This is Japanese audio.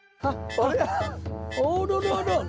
あら！